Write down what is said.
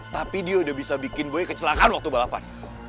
tapi dia udah bisa bikin buaya kecelakaan waktu balapan